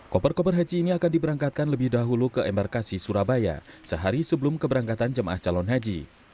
koper koper haji ini akan diberangkatkan lebih dahulu ke embarkasi surabaya sehari sebelum keberangkatan jemaah calon haji